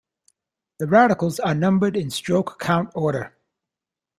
The radicals are numbered in stroke count order.